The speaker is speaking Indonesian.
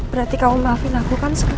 berarti kamu maafin aku kan sekarang